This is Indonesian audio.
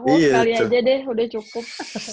iya aku sekali aja deh udah cukup